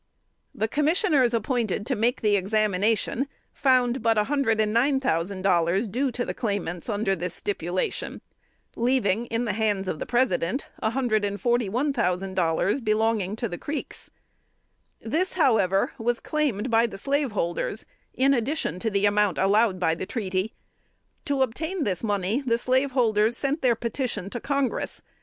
The commissioners appointed to make the examination found but $109,000 due the claimants under this stipulation, leaving in the hands of the President $141,000 belonging to the Creeks. This, however, was claimed by the slaveholders, in addition to the amount allowed by the treaty. To obtain this money the slaveholders sent their petition to Congress.